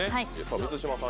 満島さん